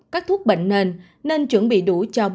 sáu các thuốc bệnh